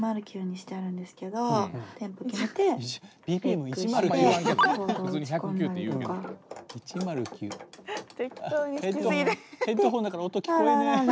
ヘッドホンだから音聞こえねえ。